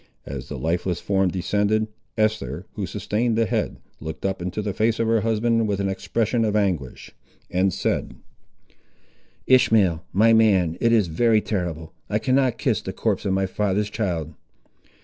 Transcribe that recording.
As the lifeless form descended, Esther, who sustained the head, looked up into the face of her husband with an expression of anguish, and said— "Ishmael, my man, it is very terrible! I cannot kiss the corpse of my father's child!"